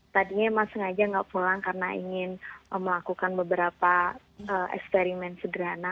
tadinya emang sengaja nggak pulang karena ingin melakukan beberapa eksperimen sederhana